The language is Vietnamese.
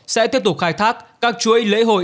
sẽ tiếp tục khai thác các chuỗi lễ hội